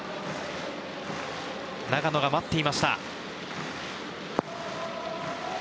長野が待っていました。